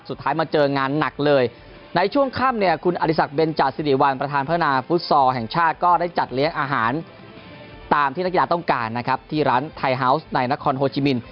สุดท้ายมาเจองานหนักเลยในช่วงค่ำเนี่ยคุณอริสักเบนจาสิริวัลประธานพัฒนาฟุตซอลแห่งชาติก็ได้จัดเลี้ยงอาหารตามที่นักกีฬาต้องการนะครับที่ร้านไทฮาวส์ในนครโฮจิมิน